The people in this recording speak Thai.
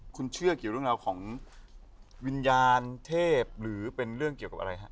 คุณเชื่อเกี่ยวเรื่องราวของวิญญาณเทพหรือเป็นเรื่องเกี่ยวกับอะไรฮะ